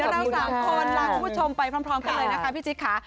เรา๓คนลาคุณผู้ชมไปพร้อมกันเลยนะคะพี่จิ๊กค่ะ